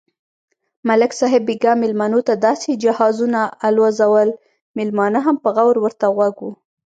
ملک صاحب بیگا مېلمنوته داسې جهازونه الوزول، مېلمانه هم په غور ورته غوږ و.